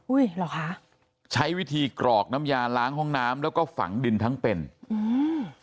เหรอคะใช้วิธีกรอกน้ำยาล้างห้องน้ำแล้วก็ฝังดินทั้งเป็นอืม